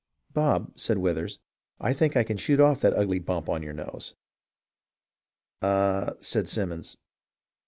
"Bob," said Withers, •' I think I can shoot off that ugly bump on your nose." " Ah," said Simons.